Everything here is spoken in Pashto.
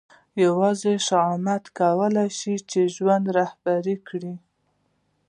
یوازې شهامت کولای شي چې ژوند رهبري کړي.